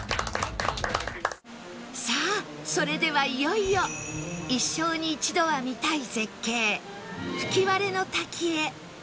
さあそれではいよいよ一生に一度は見たい絶景吹割の滝へ